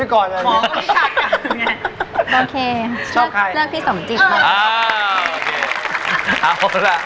กรรมพี่สมจให้ก่อน